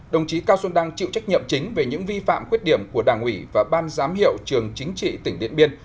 đồng chí cao xuân đăng chịu trách nhiệm chính về những vi phạm khuyết điểm của đảng ủy và ban giám hiệu trường chính trị tỉnh điện biên